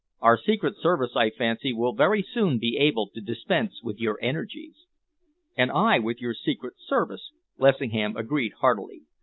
Our secret service, I fancy, will very soon be able to dispense with your energies." "And I with your secret service," Lessingham agreed heartily.